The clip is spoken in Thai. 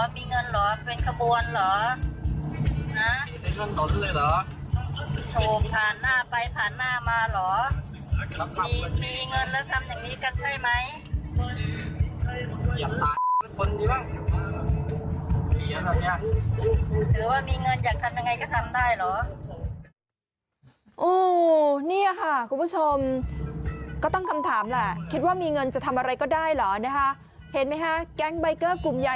มีเงินเหรอเจ๋งเหรอมีเงินเหรอเป็นขบวนเหรอฮะ